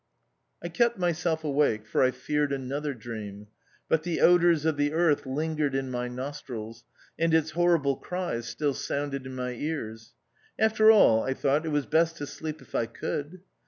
•••• I kept myself awake, for I feared another dream ; but the odours of the earth lingered in my nostrils, and its horrible cries still sounded in my ears. After all, I thought it was best to sleep if I could.